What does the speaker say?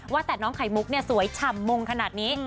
ว่าแต่น้องไข่มุกเนี่ยสวยฉ่ำมงขนาดนี้